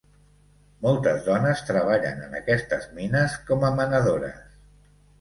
Moltes dones treballen en aquestes mines com a menadores.